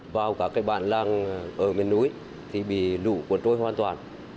vào các cái bàn làng ở miền núi thì bị lũ cuốn trôi hoàn toàn